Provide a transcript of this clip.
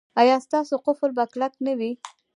ایا ستاسو قفل به کلک نه وي؟